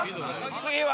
次は？